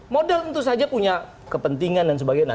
modal tentu saja punya kepentingan dan sebagainya